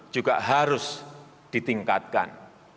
juga harus ditingkatkan